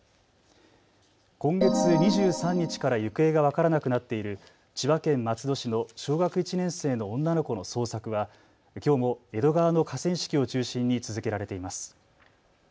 今月２３日から行方が分からなくなっている千葉県松戸市の小学１年生の女の子の捜索はきょうも江戸川の河川敷を中心に続けられています。